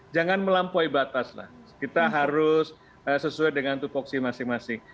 jangan melampaui batas lah kita harus sesuai dengan tupoksi masing masing